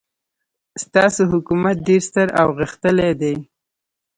ستاسو حکومت ډېر ستر او غښتلی دی.